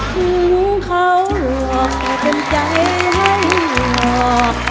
ทิ้งเขาหลอกแต่เป็นใจให้หลอก